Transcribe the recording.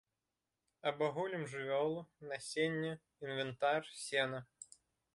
Абагулім жывёлу, насенне, інвентар, сена.